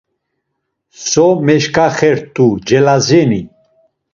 So meşǩaxert̆u Celazeni?